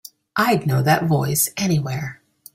I'd know that voice anywhere.